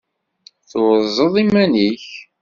Turzeḍ iman-ik.